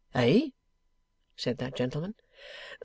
'Eh?' said that gentleman.